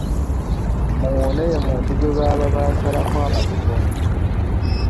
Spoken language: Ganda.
Muwune ye muntu gwe baba basalako amatu gombi.